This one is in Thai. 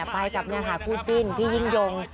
ไปกับนางหากู้จิ้นพี่ยิ่งยง